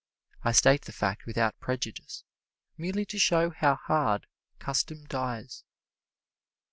I state the fact without prejudice, merely to show how hard custom dies.